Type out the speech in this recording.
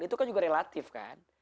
itu kan juga relatif kan